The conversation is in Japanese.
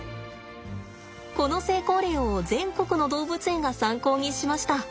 この成功例を全国の動物園が参考にしました。